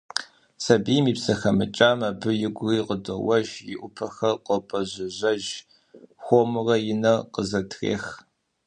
Сабийм и псэ хэмыкӏам абы игури къыдоуэж, и ӏупэхэр къопӏэжьэжьэж, хуэмурэ и нэр къызэтрех…